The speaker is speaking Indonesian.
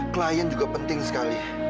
klien juga penting sekali